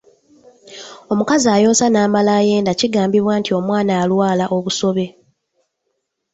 Omukazi ayonsa n’amala ayenda kigambibwa nti omwana alwala Obusobe.